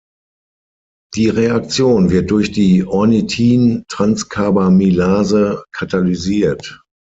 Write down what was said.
Die Reaktion wird durch die Ornithin-Transcarbamylase katalysiert.